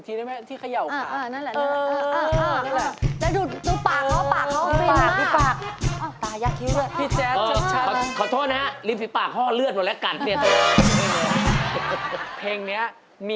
ถ้าเต้นเมื่อกี้